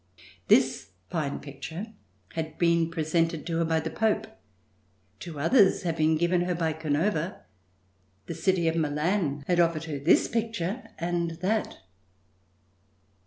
This fine picture had been presented to her by the Pope; two others had been given her by Canova; the city of Milan had offered her this picture and that.